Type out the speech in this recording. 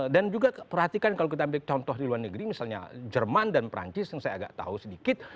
dan juga perhatikan kalau kita ambil contoh di luar negeri misalnya jerman dan perancis yang saya agak tahu sedikit